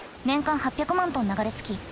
年間８００万トン流れ着き